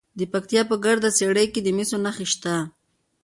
د پکتیا په ګرده څیړۍ کې د مسو نښې شته.